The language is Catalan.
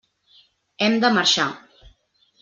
Hem de marxar.